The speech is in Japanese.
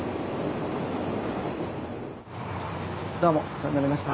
どうもお世話になりました。